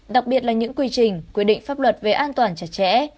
đặc biệt là những quy trình quy định pháp luật về an toàn chặt chẽ